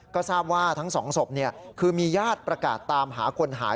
ก็ทราบว่าทั้งสองศพคือมีญาติประกาศตามหาคนหาย